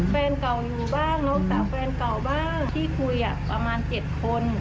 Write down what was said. แฟนเก่าอยู่บ้างน้องสาวแฟนเก่าบ้างที่คุยประมาณ๗คน